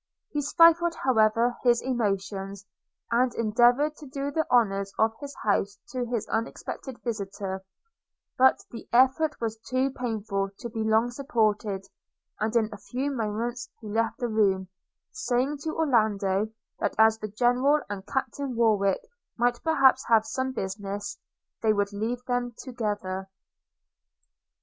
He stifled, however, his emotions, and endeavoured to do the honours of his house to his unexpected visitor; but the effort was too painful to be long supported, and in a few moments he left the room, saying to Orlando, that as the General and Captain Warwick might perhaps have some business, they would leave them together.